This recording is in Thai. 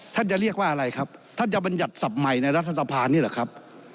จะเรียกว่าอะไรครับท่านจะบรรยัติศัพท์ใหม่ในรัฐสภานี่เหรอครับ